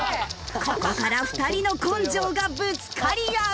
ここから２人の根性がぶつかり合う！